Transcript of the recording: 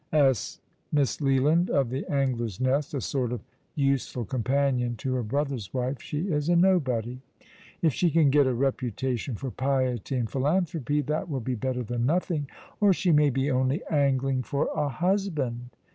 As Miss Leland, of the Angler's Nest, a sort of useful companion to her brother's wife, she is a nobody. If she can get a reputation for piety and philanthropy, that will bo better than nothing. Or she may be only angling for a husband."